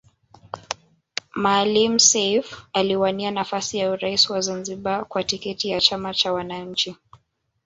Maalim Seif aliwania nafasi ya urais wa Zanzibari kwa tiketi ya chama cha wananchi